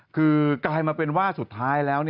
คือกลายมาเป็นว่าสุดท้ายแล้ว